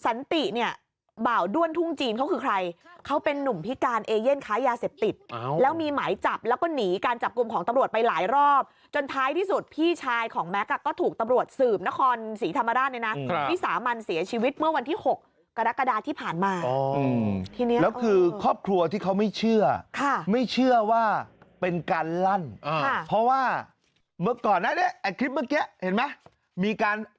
เสพติดแล้วมีหมายจับแล้วก็หนีการจับกลุ่มของตำรวจไปหลายรอบจนท้ายที่สุดพี่ชายของแม็กกำก็ถูกตำรวจสืบนครศรีธรรมดาเนี้ยน่ะครับพี่สามันเสียชีวิตเมื่อวันที่หกกรกฎาที่ผ่านมาอ๋อทีนี้แล้วคือครอบครัวที่เขาไม่เชื่อค่ะไม่เชื่อว่าเป็นการลั่นอ่าเพราะว่าเมื่อก่อนน่ะเนี้ยแอดคล